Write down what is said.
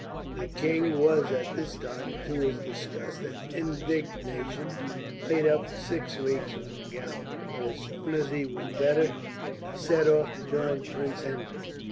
The king was at this time, to his disgust and indignation, laid up for six weeks with the gout; but as soon as he was better, he set off to join Prince Henry.